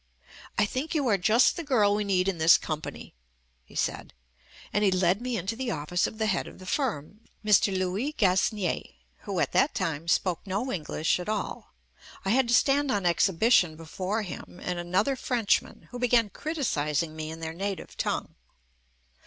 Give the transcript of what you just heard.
"I think you are just the girl we need in this company/ 5 he said. And he led me into the office of the head of the firm, Mr. Louis Gasnier, who at that time spoke no English at all. I had to stand on exhibition before him and another Frenchman, who began criticising me in their native tongue.